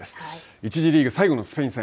１次リーグ最後のスペイン戦。